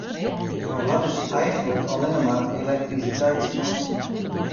Jo ha dus eigenlik allinne mar elektrisiteitskosten.